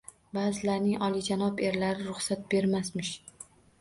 Ba’zilarining olijanob erlari ruxsat bermasmush.